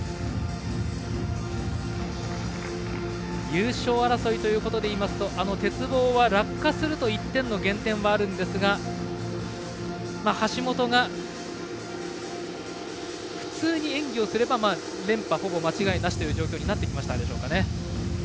優勝争いでいいますと鉄棒は落下すると１点の減点はあるんですが橋本が普通に演技をすれば連覇、ほぼ間違いなしという状況になってきたでしょうか。